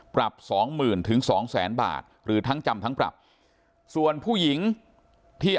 ปรับ๒๐๐๐๐ถึง๒๐๐๐๐๐บาทหรือทั้งจำทั้งปรับส่วนผู้หญิงที่